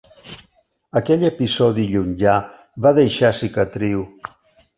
Aquell episodi llunyà va deixar cicatriu.